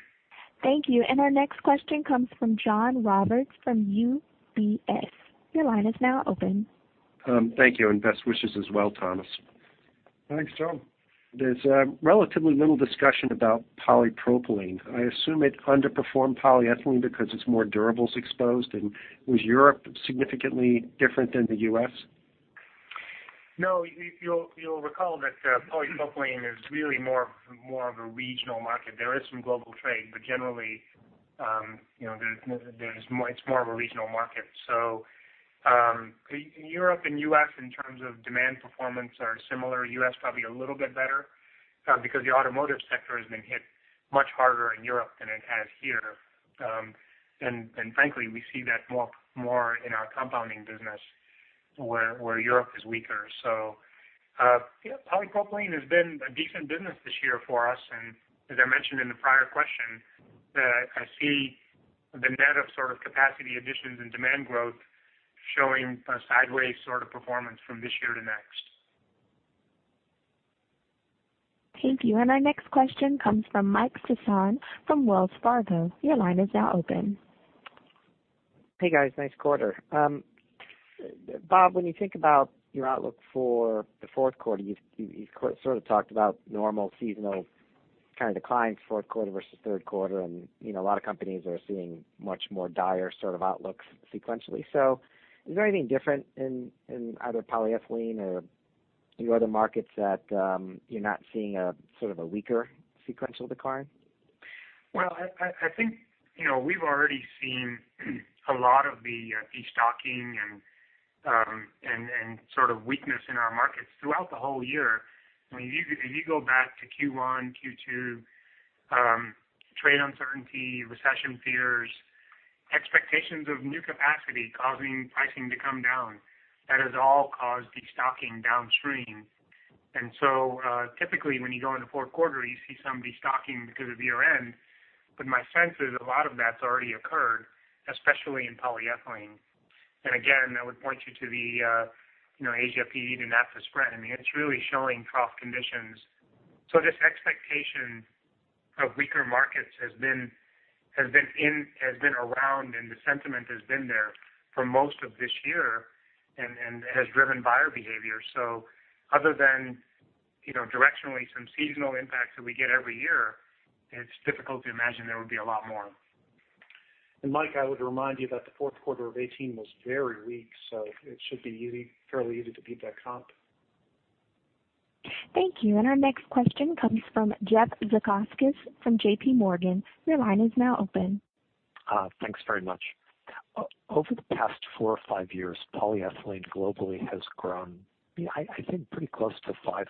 Thank you. Our next question comes from John Roberts from UBS. Your line is now open. Thank you, and best wishes as well, Thomas. Thanks, John. There's relatively little discussion about polypropylene. I assume it underperformed polyethylene because it's more durables exposed. Was Europe significantly different than the U.S.? No. You'll recall that polypropylene is really more of a regional market. There is some global trade. Generally, it's more of a regional market. Europe and U.S. in terms of demand performance are similar. U.S. probably a little bit better, because the automotive sector has been hit much harder in Europe than it has here. Frankly, we see that more in our compounding business, where Europe is weaker. Polypropylene has been a decent business this year for us, and as I mentioned in the prior question, I see the net of sort of capacity additions and demand growth showing a sideways sort of performance from this year to next. Thank you. Our next question comes from Mike Sison from Wells Fargo. Your line is now open. Hey, guys. Nice quarter. Bob, when you think about your outlook for the fourth quarter, you sort of talked about normal seasonal kind of declines, fourth quarter versus third quarter, and a lot of companies are seeing much more dire sort of outlooks sequentially. Is there anything different in either polyethylene or your other markets that you're not seeing a sort of a weaker sequential decline? Well, I think we've already seen a lot of the de-stocking and sort of weakness in our markets throughout the whole year. If you go back to Q1, Q2, trade uncertainty, recession fears, expectations of new capacity causing pricing to come down, that has all caused de-stocking downstream. Typically, when you go into fourth quarter, you see some de-stocking because of year-end. My sense is a lot of that's already occurred, especially in polyethylene. Again, I would point you to the Asia PE to Naphtha spread. I mean, it's really showing tough conditions. This expectation of weaker markets has been around, and the sentiment has been there for most of this year and has driven buyer behavior. Other than directionally some seasonal impacts that we get every year, it's difficult to imagine there would be a lot more. Mike, I would remind you that the fourth quarter of 2018 was very weak, so it should be fairly easy to beat that comp. Thank you. Our next question comes from Jeff Zekauskas from JPMorgan. Your line is now open. Thanks very much. Over the past four or five years, polyethylene globally has grown, I think, pretty close to 5%.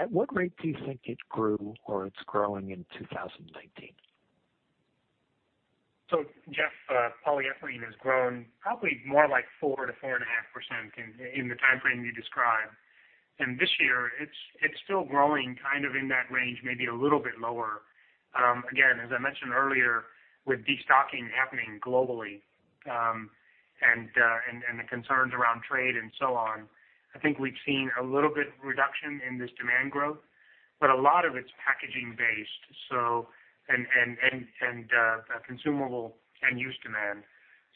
At what rate do you think it grew or it's growing in 2019? Jeff, polyethylene has grown probably more like 4% to 4.5% in the timeframe you described. This year it's still growing kind of in that range, maybe a little bit lower. Again, as I mentioned earlier, with de-stocking happening globally, and the concerns around trade and so on, I think we've seen a little bit reduction in this demand growth, but a lot of it's packaging based, and consumable end use demand.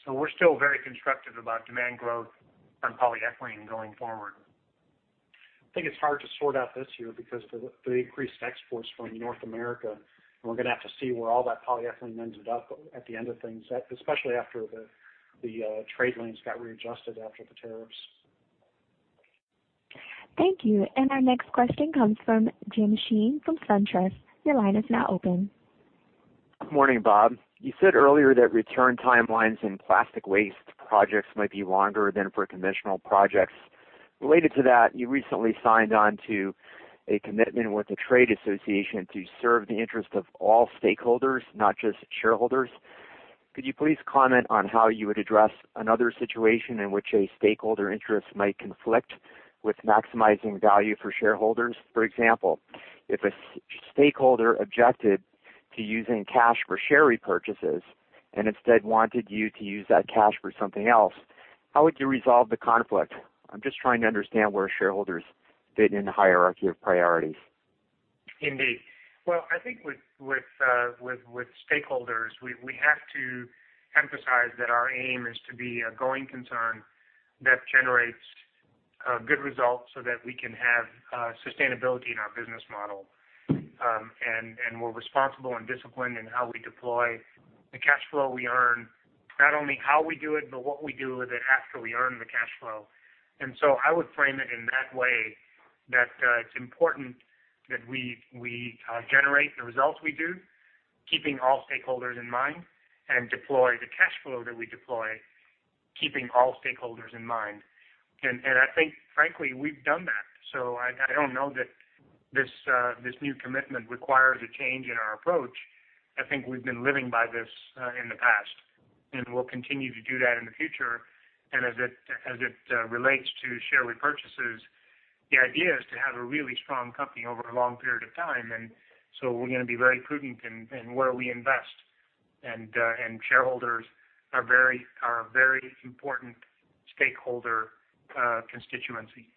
We're still very constructive about demand growth on polyethylene going forward. I think it's hard to sort out this year because of the increased exports from North America, and we're going to have to see where all that polyethylene ended up at the end of things, especially after the trade lanes got readjusted after the tariffs. Thank you. Our next question comes from Jim Sheehan from SunTrust. Your line is now open. Good morning, Bob. You said earlier that return timelines in plastic waste projects might be longer than for conventional projects. Related to that, you recently signed on to a commitment with the trade association to serve the interest of all stakeholders, not just shareholders. Could you please comment on how you would address another situation in which a stakeholder interest might conflict with maximizing value for shareholders? For example, if a stakeholder objected to using cash for share repurchases and instead wanted you to use that cash for something else, how would you resolve the conflict? I'm just trying to understand where shareholders fit in the hierarchy of priorities. Indeed. Well, I think with stakeholders, we have to emphasize that our aim is to be a going concern that generates good results so that we can have sustainability in our business model. We're responsible and disciplined in how we deploy the cash flow we earn, not only how we do it, but what we do with it after we earn the cash flow. I would frame it in that way, that it's important that we generate the results we do, keeping all stakeholders in mind, and deploy the cash flow that we deploy, keeping all stakeholders in mind. I think frankly, we've done that. I don't know that this new commitment requires a change in our approach. I think we've been living by this in the past. We'll continue to do that in the future. As it relates to share repurchases, the idea is to have a really strong company over a long period of time. We're going to be very prudent in where we invest. Shareholders are a very important stakeholder constituency.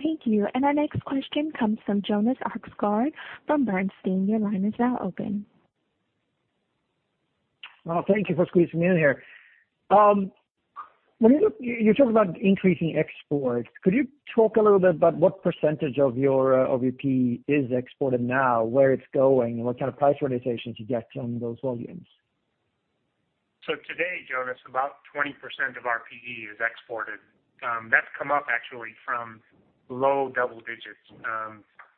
Thank you. Our next question comes from Jonas Oxgaard from Bernstein. Your line is now open. Well, thank you for squeezing me in here. You talked about increasing exports. Could you talk a little bit about what percentage of your PE is exported now, where it is going, and what kind of price realizations you get on those volumes? Today, Jonas, about 20% of our PE is exported. That's come up actually from low double digits.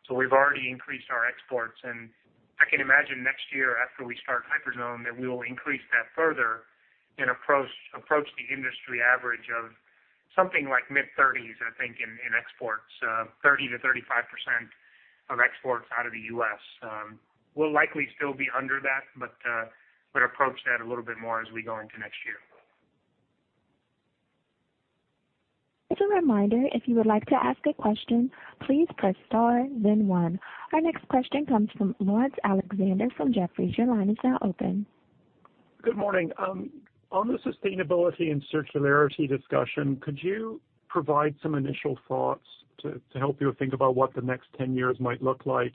We've already increased our exports, and I can imagine next year after we start Hyperzone, that we will increase that further and approach the industry average of something like mid-30s, I think, in exports. 30%-35% of exports out of the U.S. We'll likely still be under that, but approach that a little bit more as we go into next year. Just a reminder, if you would like to ask a question, please press star then one. Our next question comes from Laurence Alexander from Jefferies. Your line is now open. Good morning. On the sustainability and circularity discussion, could you provide some initial thoughts to help you think about what the next 10 years might look like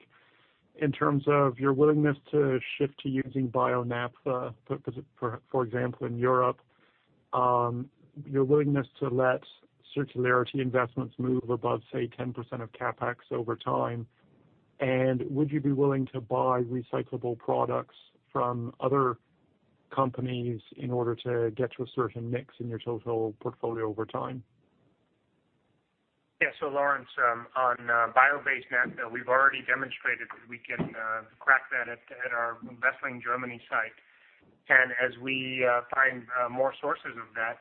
in terms of your willingness to shift to using bio-naphtha, for example, in Europe, your willingness to let circularity investments move above, say, 10% of CapEx over time, would you be willing to buy recyclable products from other companies in order to get to a certain mix in your total portfolio over time? Yeah. Laurence, on bio-based naphtha, we've already demonstrated that we can crack that at our Wesseling, Germany site. As we find more sources of that,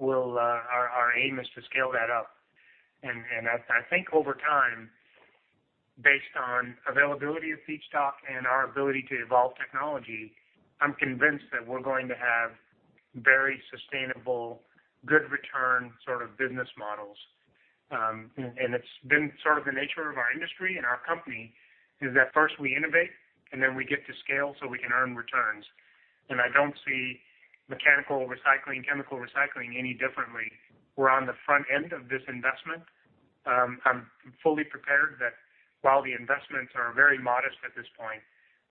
our aim is to scale that up. I think over time, based on availability of feedstock and our ability to evolve technology, I'm convinced that we're going to have very sustainable, good return sort of business models. It's been sort of the nature of our industry and our company, is that first we innovate and then we get to scale so we can earn returns. I don't see mechanical recycling, chemical recycling any differently. We're on the front end of this investment. I'm fully prepared that while the investments are very modest at this point,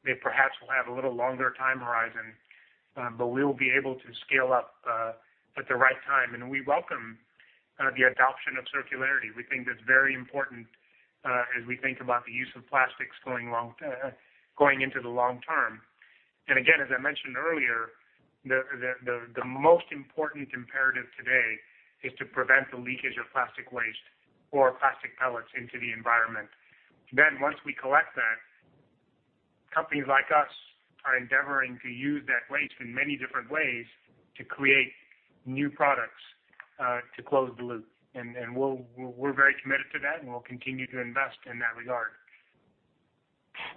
they perhaps will have a little longer time horizon, but we'll be able to scale up at the right time. We welcome the adoption of circularity. We think that's very important, as we think about the use of plastics going into the long term. Again, as I mentioned earlier, the most important imperative today is to prevent the leakage of plastic waste or plastic pellets into the environment. Once we collect that, companies like us are endeavoring to use that waste in many different ways to create new products, to close the loop. We're very committed to that, and we'll continue to invest in that regard.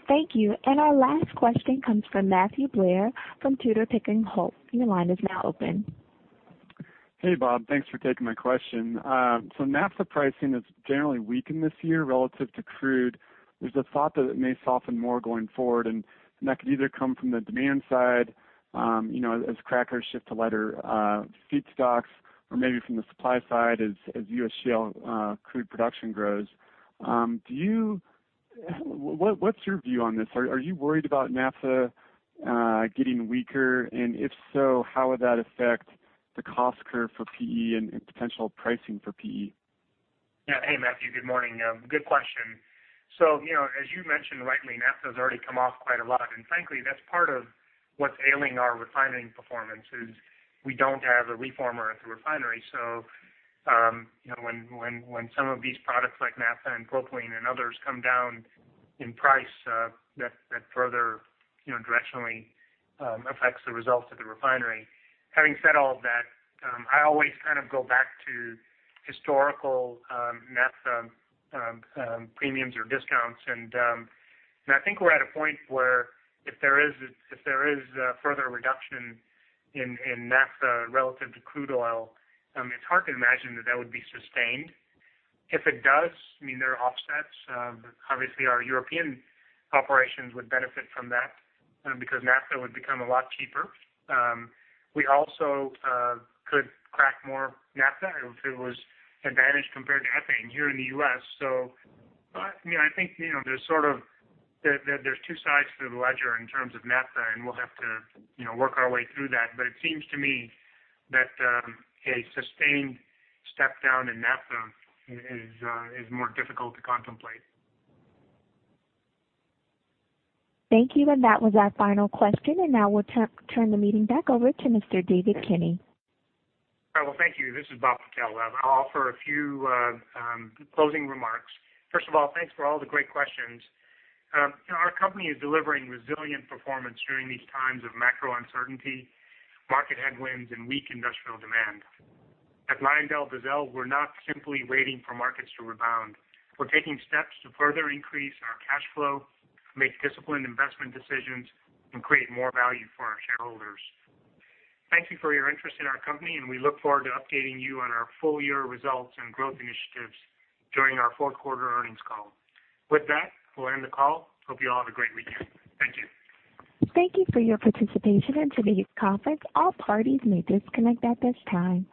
Thank you. Our last question comes from Matthew Blair from Tudor, Pickering, Holt. Your line is now open. Hey, Bob. Thanks for taking my question. Naphtha pricing has generally weakened this year relative to crude. There's a thought that it may soften more going forward, and that could either come from the demand side, as crackers shift to lighter feedstocks or maybe from the supply side as U.S. shale crude production grows. What's your view on this? Are you worried about naphtha getting weaker? If so, how would that affect the cost curve for PE and potential pricing for PE? Yeah. Hey, Matthew. Good morning. Good question. As you mentioned rightly, naphtha has already come off quite a lot. Frankly, that's part of what's ailing our refining performance is we don't have a reformer at the refinery. When some of these products like naphtha and propylene and others come down in price, that further directionally affects the results of the refinery. Having said all of that, I always kind of go back to historical naphtha premiums or discounts. I think we're at a point where if there is further reduction in naphtha relative to crude oil, it's hard to imagine that that would be sustained. If it does, there are offsets. Obviously, our European operations would benefit from that because naphtha would become a lot cheaper. We also could crack more naphtha if it was advantage compared to ethane here in the U.S. I think there's two sides to the ledger in terms of naphtha, and we'll have to work our way through that. It seems to me that a sustained step down in naphtha is more difficult to contemplate. Thank you. That was our final question. Now we'll turn the meeting back over to Mr. David Kinney. Well, thank you. This is Bob Patel. I'll offer a few closing remarks. First of all, thanks for all the great questions. Our company is delivering resilient performance during these times of macro uncertainty, market headwinds, and weak industrial demand. At LyondellBasell, we're not simply waiting for markets to rebound. We're taking steps to further increase our cash flow, make disciplined investment decisions, and create more value for our shareholders. Thank you for your interest in our company, and we look forward to updating you on our full year results and growth initiatives during our fourth quarter earnings call. With that, we'll end the call. Hope you all have a great weekend. Thank you. Thank you for your participation in today's conference. All parties may disconnect at this time.